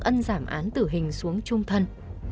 ân giảm án tử hình xuống chung thân